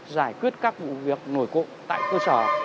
giải quyết các vụ việc nổi cộng tại cơ sở